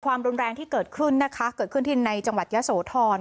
ความรุนแรงที่เกิดขึ้นนะคะเกิดขึ้นที่ในจังหวัดยะโสธร